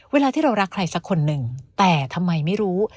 เวลาที่เรารักใครสักคนหนึ่งแต่ทำไมไม่รู้